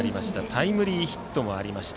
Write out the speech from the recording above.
タイムリーヒットもありました。